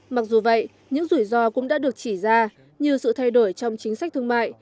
mặc dù vậy những rủi ro cũng đã được chỉ ra như sự thay đổi trong chính sách thương mại